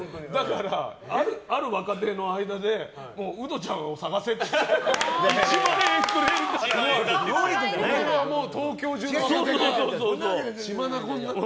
ある若手の間でウドちゃんを探せっていって１万円くれるからって。